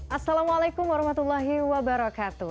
assalamualaikum warahmatullahi wabarakatuh